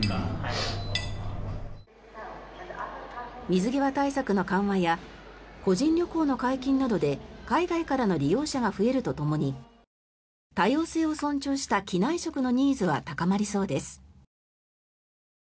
水際対策の緩和や個人旅行の解禁などで海外からの利用者が増えるとともに多様性を尊重した機内食のニーズは高まりそうです。